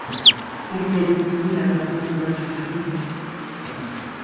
Il était destiné à leur consommation personnelle.